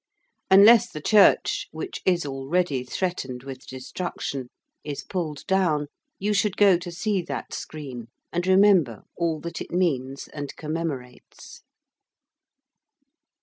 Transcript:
Unless the church, which is already threatened with destruction, is pulled down, you should go to see that screen, and remember all that it means and commemorates.